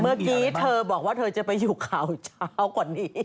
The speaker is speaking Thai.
เมื่อกี้เธอบอกว่าเธอจะไปอยู่ข่าวเช้ากว่านี้